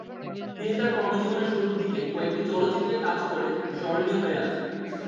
তিনি তার কর্মজীবনের শুরুর দিকে কয়েকটি চলচ্চিত্রে কাজ করে স্মরণীয় হয়ে আছেন।